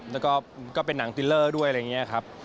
แล้วก็เป็นหนังติลเลอร์ด้วยอะไรอย่างนี้ครับ